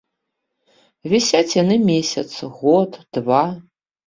Вісяць яны месяц, год, два.